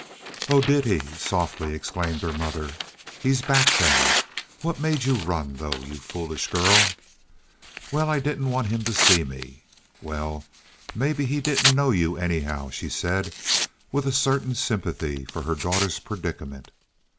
"Oh, did he?" softly exclaimed her mother. "He's back then. What made you run, though, you foolish girl?" "Well, I didn't want him to see me." "Well, maybe he didn't know you, anyhow," she said, with a certain sympathy for her daughter's predicament.